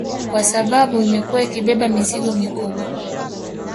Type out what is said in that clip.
Kwa sababu imekuwa ikibeba mizigo mikubwa